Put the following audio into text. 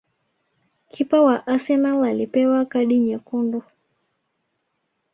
Kipa wa Arsenal alipewa kadi nyekundu